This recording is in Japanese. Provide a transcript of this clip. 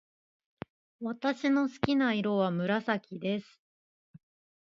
私の好きな色は紫です。